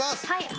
はい。